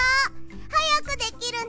はやくできるね。